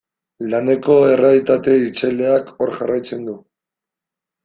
Laneko errealitate hiltzaileak hor jarraitzen du.